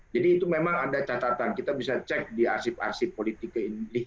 jadi itu memang ada catatan kita bisa cek di arsip arsip politik keindih